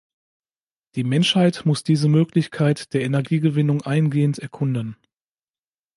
Die Menschheit muss diese Möglichkeit der Energiegewinnung eingehend erkunden.